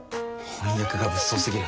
翻訳が物騒すぎる。